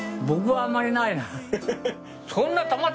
僕はあんまりないな。